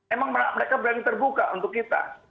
emang mereka berani terbuka untuk kita